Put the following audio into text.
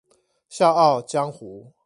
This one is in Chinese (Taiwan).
笑傲江湖